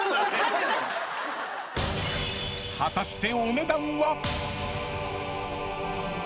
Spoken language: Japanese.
［果たして］